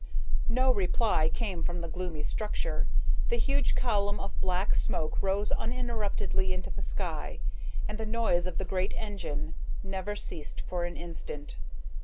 No reply came from the gloomy structure. The huge column of black smoke rose uninterruptedly into the sky, and the noise of the great engine never ceased for an instant.